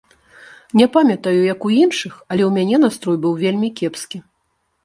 Не памятаю, як у іншых, але ў мяне настрой быў вельмі кепскі.